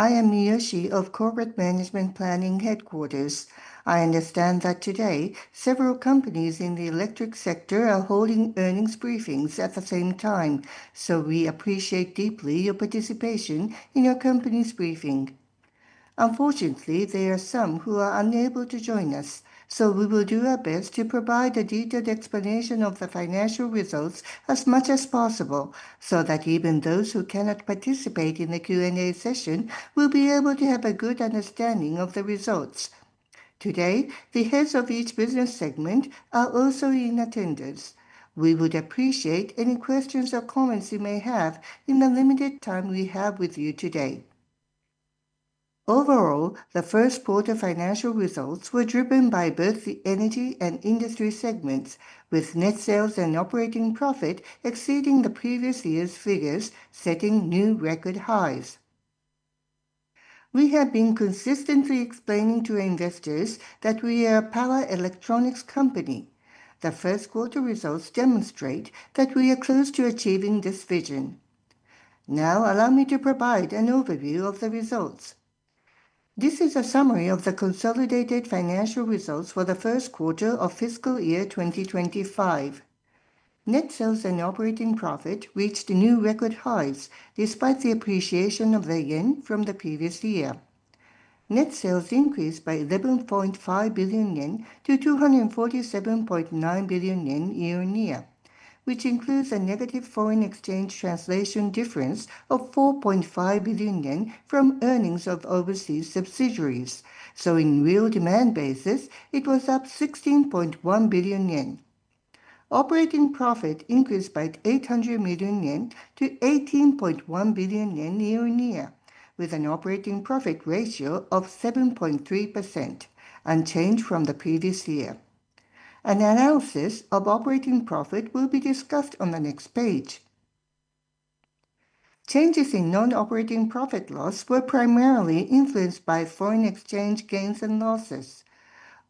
I am Miyoshi of Corporate Management Planning Headquarters. I understand that today several companies in the electric sector are holding earnings briefings at the same time, so we appreciate deeply your participation in your company's briefing. Unfortunately, there are some who are unable to join us, so we will do our best to provide a detailed explanation of the financial results as much as possible so that even those who cannot participate in the Q&A session will be able to have a good understanding of the results today. The heads of each business segment are also in attendance. We would appreciate any questions or comments you may have in the limited time we have with you today. Overall, the first quarter financial results were driven by both the energy and industry segments, with net sales and operating profit exceeding the previous year's figures, setting new record highs. We have been consistently explaining to investors that we are a power electronics company. The first quarter results demonstrate that we are close to achieving this vision. Now allow me to provide an overview of the results. This is a summary of the consolidated financial results for the first quarter of fiscal year 2025. Net sales and operating profit reached new record highs despite the appreciation of the yen from the previous year. Net sales increased by 11.5 billion-247.9 billion yen year-on-year, which includes a negative foreign exchange translation difference of 4.5 billion yen from earnings of overseas subsidiaries. In real demand basis, it was up 16.1 billion yen. Operating profit increased by 0.8 billion-18.1 billion yen year-on-year with an operating profit ratio of 7.3%, unchanged from the previous year. An analysis of operating profit will be discussed on the next page. Changes in non-operating profit loss were primarily influenced by foreign exchange gains and losses.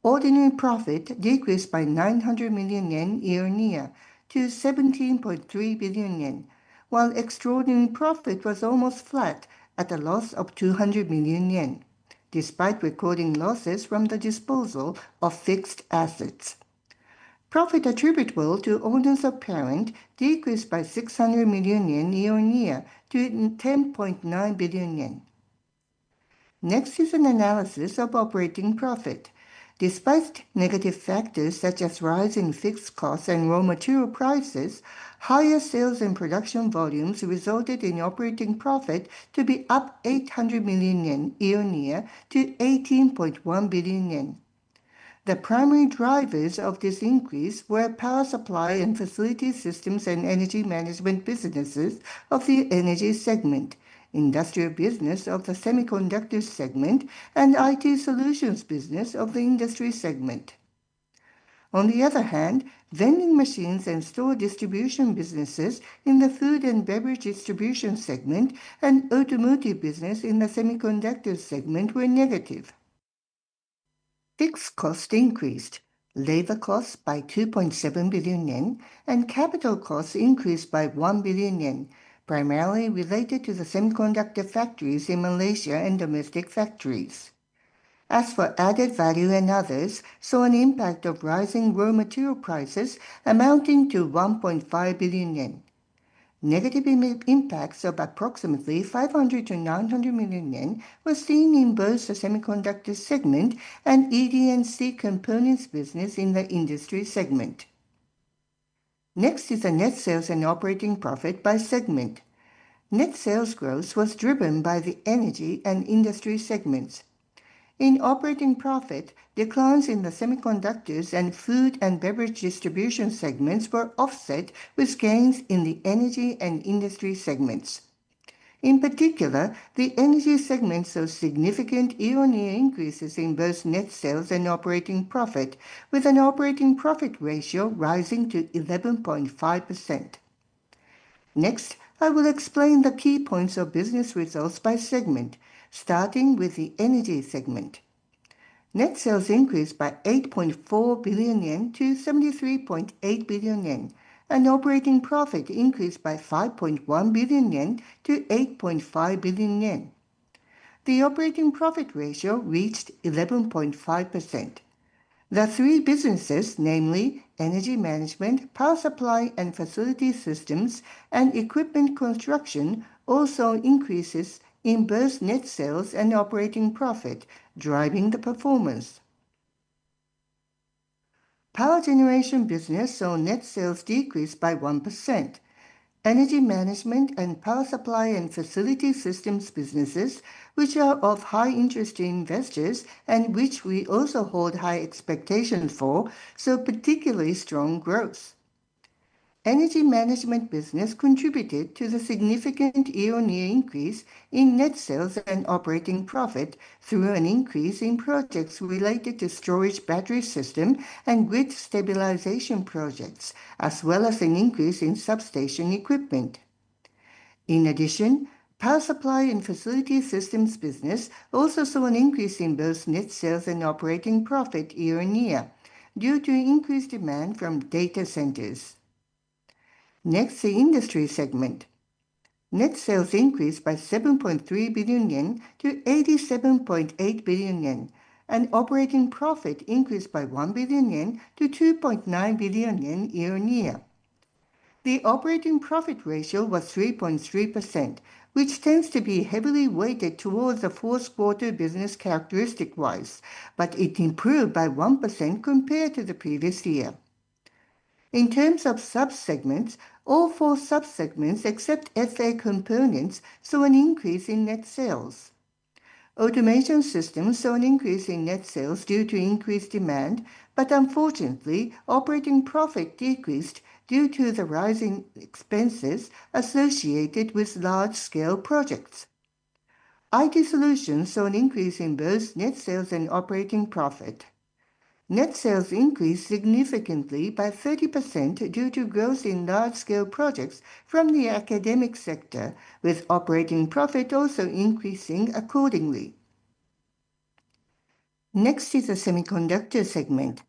Ordinary profit decreased by 0.9 billion yen year-on-year to 17.3 billion yen, while extraordinary profit was almost flat at a loss of 0.2 billion yen, despite recording losses from the disposal of fixed assets. Profit attributable to owners of parent decreased by 0.6 billion yen year-on-year to 10.9 billion yen. Next is an analysis of operating profit. Despite negative factors such as rising fixed costs and raw material prices, higher sales and production volumes resulted in operating profit to be up 0.8 billion yen year-on-year to 18.1 billion yen. The primary drivers of this increase were power supply and facility systems and energy management businesses of the energy segment, industrial business of the semiconductors segment, and IT solutions business of the industry segment. On the other hand, vending machines and store distribution businesses in the food and beverage distribution segment and automotive business in the semiconductors segment were negative. Fixed cost increased, labor costs by 2.7 billion yen and capital costs increased by 1 billion yen, primarily related to the semiconductor factories in Malaysia and domestic factories. As for added value and others, saw an impact of rising raw material prices amounting to 1.5 billion yen. Negative impacts of approximately 500 million-900 million yen were seen in both the semiconductors segment and ED&C components business in the industry segment. Next is the net sales and operating profit by segment. Net sales growth was driven by the energy and industry segments. In operating profit, declines in the semiconductors and food and beverage distribution segments were offset with gains in the energy and industry segments. In particular, the energy segment saw significant year-on-year increases in both net sales and operating profit, with an operating profit ratio rising to 11.5%. Next, I will explain the key points of business results by segment, starting with the energy segment. Net sales increased by 8.4 billion-73.8 billion yen and operating profit increased by 5.1 billion-8.5 billion yen. The operating profit ratio reached 11.5%. The three businesses, namely energy management, power supply and facility systems, and equipment construction, all saw increases in both net sales and operating profit, driving the performance. Power generation business saw net sales decrease by 1%. Energy management and power supply and facility systems businesses, which are of high interest to investors and which we also hold high expectations for, saw particularly strong growth. Energy management business contributed to the significant year-on-year increase in net sales and operating profit through an increase in projects related to storage, battery systems, and grid stabilization projects, as well as an increase in substation equipment. In addition, power supply and facility systems business also saw an increase in both net sales and operating profit year-on-year due to increased demand from data centers. Next, the industry segment net sales increased by 7.3 billion-87.8 billion yen and operating profit increased by 1 billion-2.9 billion. year-on-year, the operating profit ratio was 3.3%, which tends to be heavily weighted towards the fourth quarter business characteristic wise, but it improved by 1% compared to the previous year. In terms of subsegments, all four subsegments except SA components saw an increase in net sales. Automation systems saw an increase in net sales due to increased demand, but unfortunately operating profit decreased due to the rising expenses associated with large scale projects. IT solutions saw an increase in both net sales and operating profit. Net sales increased significantly by 30% due to growth in large scale projects from the academic sector, with operating profit also increasing accordingly. Next is the semiconductor segment.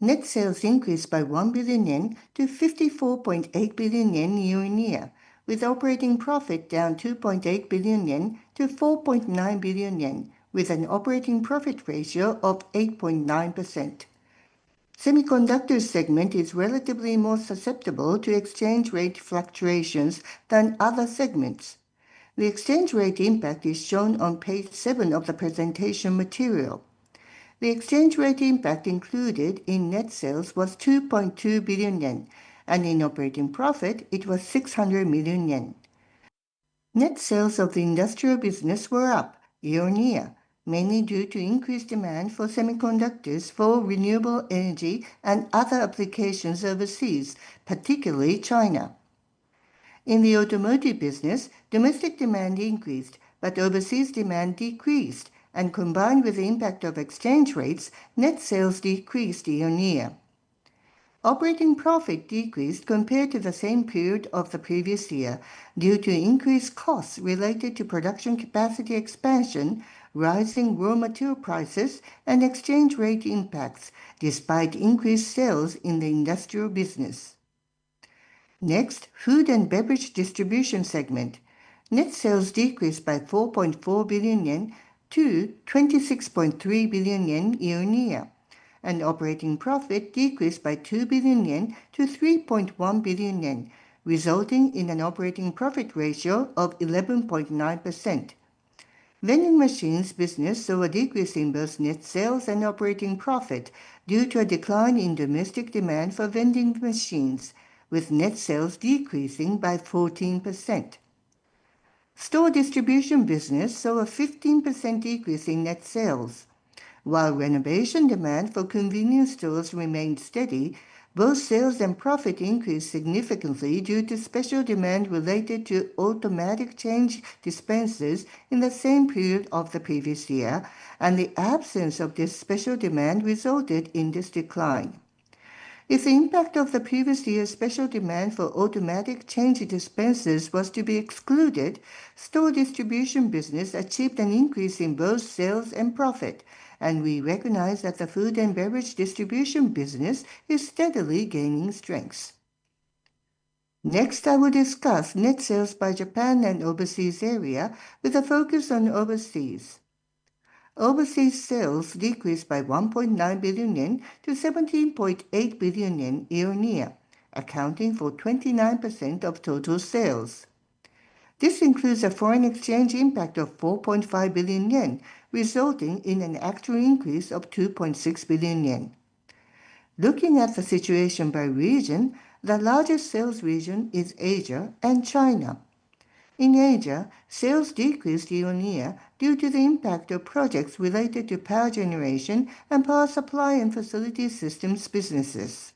Net sales increased by 1 billion-54.8 billion yen year-on-year, with operating profit down 2.8 billion-4.9 billion yen. With an operating profit ratio of 8.9%, the semiconductors segment is relatively more susceptible to exchange rate fluctuations than other segments. The exchange rate impact is shown on page seven of the presentation material. The exchange rate impact included in net sales was 2.2 billion yen and in operating profit it was 600 million yen. Net sales of the industrial business were up year-on-year, mainly due to increased demand for semiconductors for renewable energy and other applications overseas, particularly China. In the automotive business, domestic demand increased, but overseas demand decreased and combined with the impact of exchange rates, net sales decreased year-on-year. Operating profit decreased compared to the same period of the previous year due to increased costs related to production capacity expansion, rising raw material prices, and exchange rate impacts, despite increased sales in the industrial business. Next, food and beverage distribution segment net sales decreased by 4.4 billion-26.3 billion yen year-on-year and operating profit decreased by 2 billion-3.1 billion yen, resulting in an operating profit ratio of 11.9%. Vending machines business saw a decrease in both net sales and operating profit due to a decline in domestic demand for vending machines, with net sales decreasing by 14%. Store distribution business saw a 15% decrease in net sales. While renovation demand for convenience stores remained steady, both sales and profit increased significantly due to special demand related to automatic change dispensers in the same period of the previous year, and the absence of this special demand resulted in this decline. If the impact of the previous year's special demand for automatic change dispensers was to be excluded, store distribution business achieved an increase in both sales and profit, and we recognize that the food and beverage distribution business is steadily gaining strength. Next, I will discuss net sales by Japan and overseas area with a focus on overseas. Overseas sales decreased by 1.9 billion-17.8 billion yen year-on-year, accounting for 29% of total sales. This includes a foreign exchange impact of 4.5 billion yen, resulting in an actual increase of 2.6 billion yen. Looking at the situation by region, the largest sales region is Asia and China. In Asia, sales decreased year-on-year due to the impact of projects related to power generation and power supply equipment and facility systems businesses.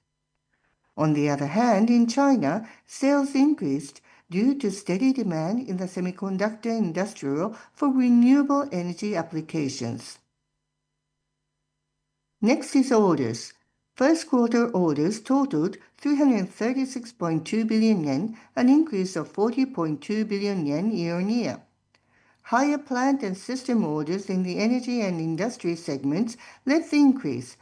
On the other hand, in China, sales increased due to steady demand in the semiconductors industry for renewable energy applications. Next is orders. First quarter orders totaled 336.2 billion yen, an increase of 40.2 billion yen year-on-year. Higher plant and system orders in the energy and industry segments led to an increase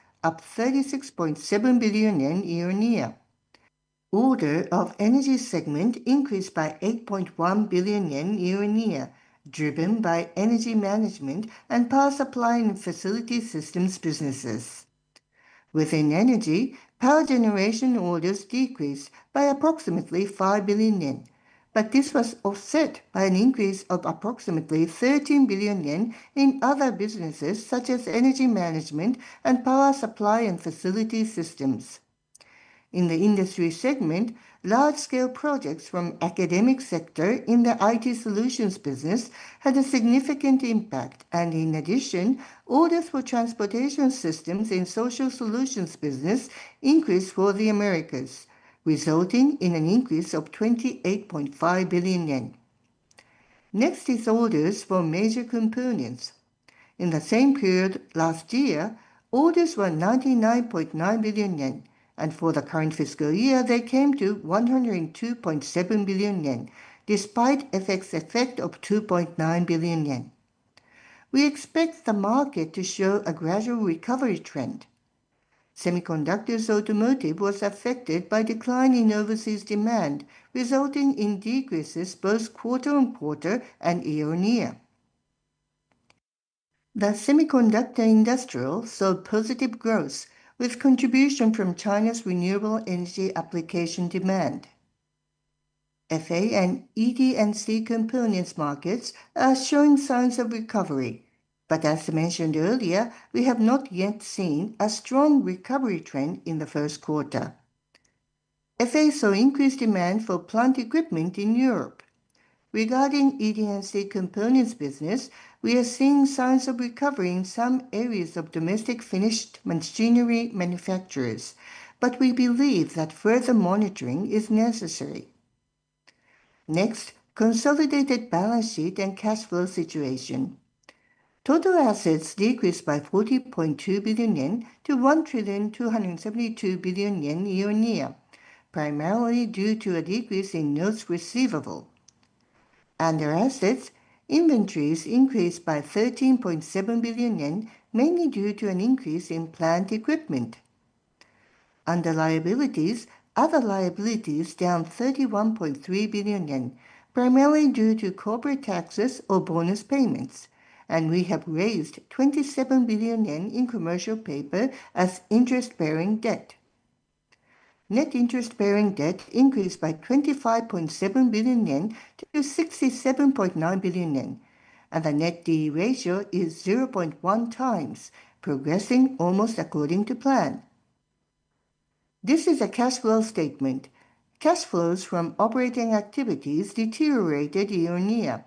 of JPY 36.7 billion. year-on-year, orders of the energy segment increased by 8.1 billion yen year-on-year, driven by energy management systems and power supply equipment and facility systems businesses within energy, power generation orders decreased by approximately 5 billion yen, but this was offset by an increase of approximately 13 billion yen in other businesses such as energy management systems and power supply equipment and facility systems. In the industry segment, large scale projects from the academic sector in the IT solutions business had a significant impact, and in addition, orders for transportation systems in the social solutions business increased for the Americas, resulting in an increase of 28.5 billion yen. Next is orders for major components. In the same period last year, orders were 99.9 billion yen, and for the current fiscal year they came to 102.7 billion yen. Despite FX effect of 2.9 billion yen, we expect the market to show a gradual recovery trend. Semiconductors automotive was affected by decline in overseas demand resulting in decreases both quarter-on-quarter and year-on-year. The semiconductor industrial saw positive growth with contribution from China's renewable energy application demand. FA and ED&C components markets are showing signs of recovery, but as mentioned earlier, we have not yet seen a strong recovery trend in the first quarter. FA saw increased demand for plant equipment in Europe. Regarding ED&C components business, we are seeing signs of recovery in some areas of domestic finished machinery manufacturers, but we believe that further monitoring is necessary. Next, consolidated balance sheet and cash flow situation. Total assets decreased by JPY 40.2 billion-JPY 1,272.0 billion year-on-year, primarily due to a decrease in notes receivable under assets. Inventories increased by 13.7 billion yen mainly due to an increase in plant equipment. Other liabilities were down 31.3 billion yen, primarily due to corporate taxes or bonus payments, and we have raised 27.0 billion yen in commercial paper as interest-bearing debt. Net interest-bearing debt increased by 25.7 billion-67.9 billion yen, and the net debt ratio is 0.1 times, progressing almost according to plan. This is a cash flow statement. Cash flows from operating activities deteriorated year-on-year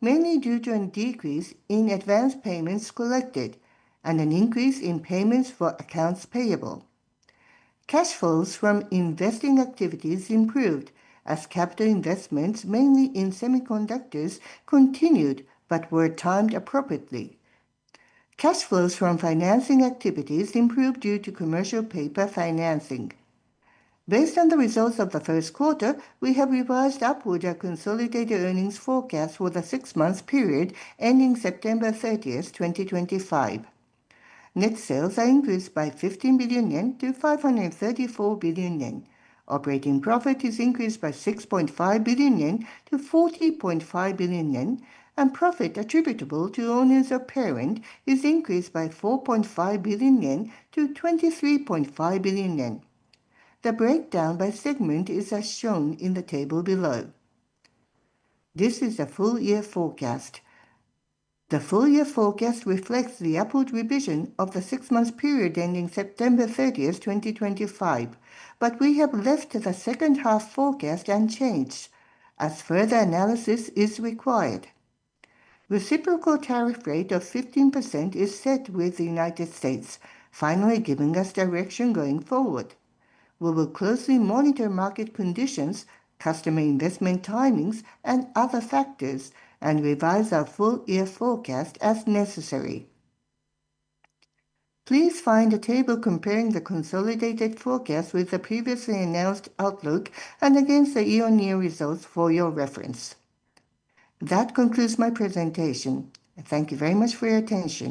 mainly due to a decrease in advance payments collected and an increase in payments for accounts payable. Cash flows from investing activities improved as capital investments, mainly in semiconductors, continued but were timed appropriately. Cash flows from financing activities improved due to commercial paper financing. Based on the results of the first quarter, we have revised upward the consolidated earnings forecast for the six-month period ending September 30th, 2025. Net sales are increased by 15.0 billion-534.0 billion yen, operating profit is increased by 6.5 billion-40.5 billion yen, and profit attributable to owners of parent is increased by 4.5 billion-23.5 billion yen. The breakdown by segment is as shown in the table below. This is a full year forecast. The full year forecast reflects the upward revision of the six-month period ending September 30th, 2025, but we have left the second half forecast unchanged, as further analysis is required. Reciprocal tariff rate of 15% is set with the United States, finally giving us direction going forward. We will closely monitor market conditions, customer investment timings, and other factors and revise our full year forecast as necessary. Please find a table comparing the consolidated forecast with the previously announced outlook and against the year-on-year results for your reference. That concludes my presentation. Thank you very much for your attention.